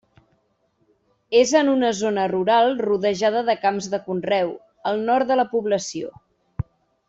És en una zona rural rodejada de camps de conreu, al nord de la població.